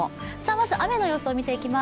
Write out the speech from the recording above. まず、雨の様子を見ていきます。